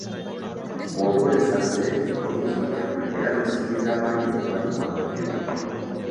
Bw’okozesa ssente oyinza okufuna era n’osikiriza bangi okuba mikwano gyo.